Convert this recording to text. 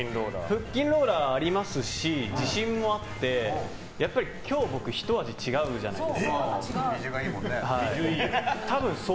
腹筋ローラー、ありますし自信もあってやっぱり今日、僕ひと味違うじゃないですか。